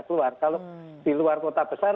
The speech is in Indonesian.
keluar kalau di luar kota besar